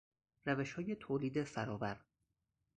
روشهای تولیدی فرآور